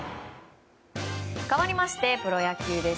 かわりましてプロ野球です。